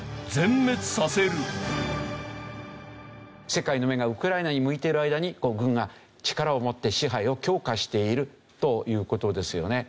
世界の目がウクライナに向いている間に軍が力を持って支配を強化しているという事ですよね。